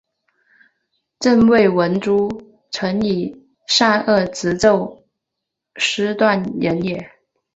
朕未闻诸臣以善恶直奏斯断人也！